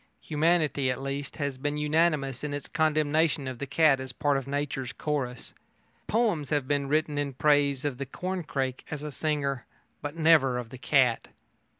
Humanity, at least, has been unanimous in its condemnation of the cat as part of nature's chorus. Poems have been written in praise of the corncrake as a singer, but never of the cat.